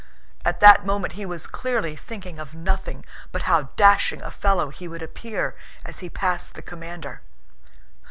At that moment he was clearly thinking of nothing but how dashing a fellow he would appear as he passed the commander.